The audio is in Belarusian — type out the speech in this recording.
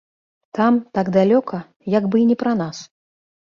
Там, так далёка, як бы і не пра нас.